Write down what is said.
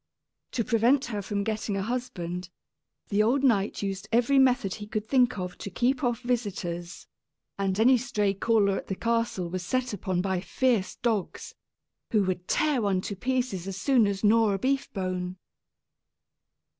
To prevent her from getting a husband, the old knight used every method he could think of to keep off visitors; and any stray caller at the castle was set upon by fierce dogs, who would tear one to pieces as soon as gnaw a beef bone!